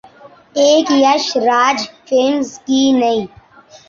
ایک ’یش راج فلمز‘ کی نئی